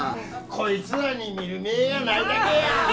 こいつらに見る目ぇがないだけや！